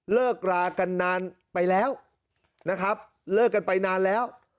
เลิกรากันนานไปแล้วนะครับเลิกกันไปนานแล้ว